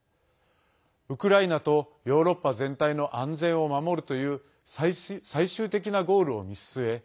ウクライナとヨーロッパ全体の安全を守るという最終的なゴールを見据え